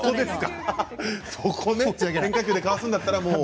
変化球でかわすんだったら。